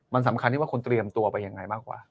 มันสำคัญที่ว่าคุณเตรียมตัวไปยังไงมากกว่า